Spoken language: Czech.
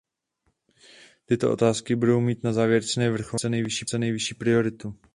Tyto otázky budou mít na závěrečné vrcholné schůzce nejvyšší prioritu.